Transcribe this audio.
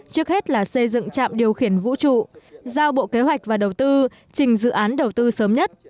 trước hết là xây dựng trạm điều khiển vũ trụ giao bộ kế hoạch và đầu tư trình dự án đầu tư sớm nhất